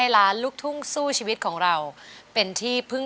๑ล้านบาท